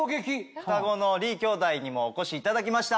ふたごの李兄弟にもお越しいただきました。